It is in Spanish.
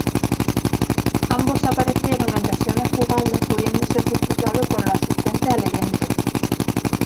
Ambos aparecieron en versiones jugables pudiendo ser disfrutado por los asistentes al evento.